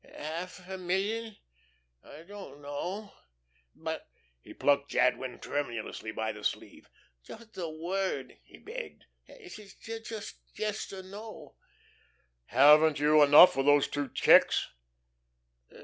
"Half a million? I don't know. But" he plucked Jadwin tremulously by the sleeve "just a word," he begged. "Hey, just yes or no." "Haven't you enough with those two checks?"